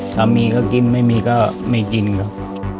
ถ้ามีก็กินไม่มีก็ไม่กินครับ